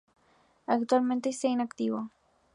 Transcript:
Actualmente esta inactivo.